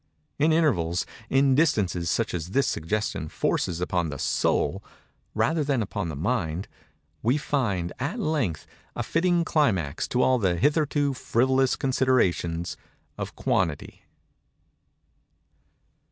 In intervals—in distances such as this suggestion forces upon the soul—rather than upon the mind—we find, at length, a fitting climax to all hitherto frivolous considerations of quantity.